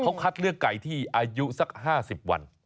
เขาคัดเลือกไก่ที่อายุสัก๕๐วัน